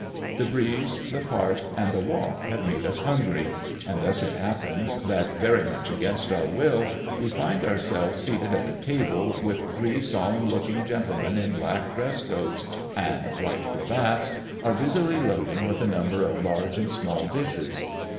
The breeze, the park, and the walk have made us hungry; and thus it happens that, very much against our will, we find ourselves seated at a table which three solemn looking gentlemen in black dress coats and white cravats are busily loading with a number of large and small dishes.